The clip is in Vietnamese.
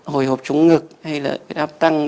hồi hộp trúng ngực hay là áp tăng